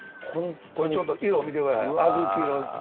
これちょっと色見てください